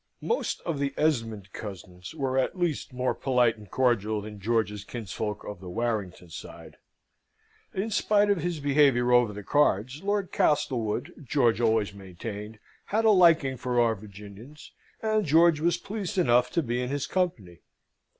Most of the Esmond cousins were at least more polite and cordial than George's kinsfolk of the Warrington side. In spite of his behaviour over the cards, Lord Castlewood, George always maintained, had a liking for our Virginians, and George was pleased enough to be in his company.